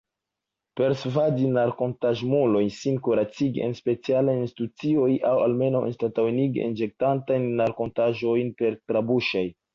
Persvadi narkotaĵemulojn sin kuracigi en specialaj institucioj aŭ almenaŭ anstataŭigi injektatajn narkotaĵojn per trabuŝaj.